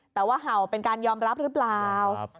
แต่ว่าเห่าเป็นการยอมรับหรือเปล่า